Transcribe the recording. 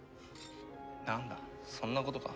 なんだそんなことか。